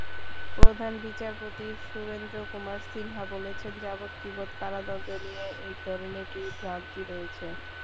প্রধান বিচারপতি সুরেন্দ্র কুমার সিনহা বলেছেন, যাবজ্জীবন কারাদণ্ড নিয়ে একধরনের বিভ্রান্তি রয়েছে।